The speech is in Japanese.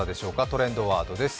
トレンドワードです。